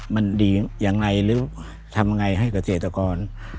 มันดียังไงหรือทำยังไงให้เกษตรกร